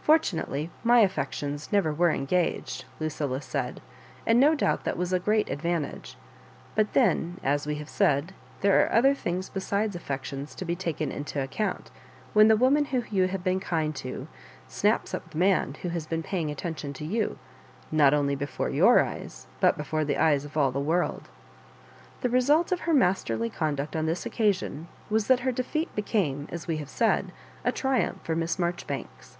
"Fortunately my affections never were engaged," Lucilla said, and no doubt that was a great advantage ; but then, as we have said, there are other things besides affections to be taken into account w/ien the woman whom you have been kind to, snaps up the man who has been paying attention to you, not only before your eyes, but before the eyes of all the world. The result of her masterly con duct on this occasion was that her defeat became, as we have said, a triumph for Miss Marjoribanks.